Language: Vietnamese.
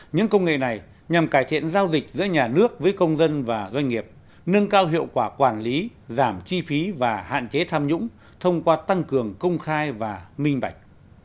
những công nghệ này nhằm cải thiện giao dịch giữa nhà nước với công dân và doanh nghiệp nâng cao hiệu quả quản lý giảm chi phí và hạn chế tham nhũng thông qua tăng cường công khai và minh bạch